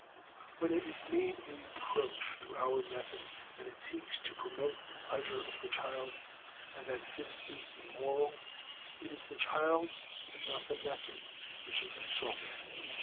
When it is made a reproach to our method that it seeks to promote the "pleasure" of the child, and that this is immoral, it is the child and not the method which is insulted.